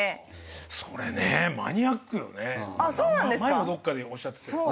前もどっかでおっしゃってて。